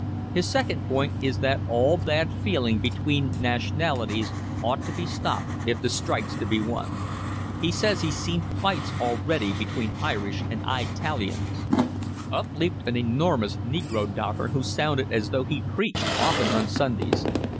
His second point is that all bad feeling between nationalities ought to be stopped if the strike's to be won. He says he's seen fights already between Irish and Eyetalians." Up leaped an enormous negro docker who sounded as though he preached often on Sundays.